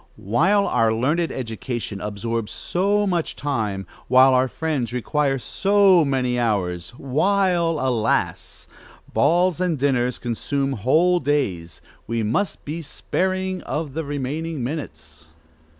While our learned education absorbs so much time, while our friends require so many hours, while, alas! balls and dinners consume whole days, we must be sparing of the remaining minutes.